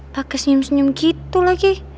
pakai senyum senyum gitu lagi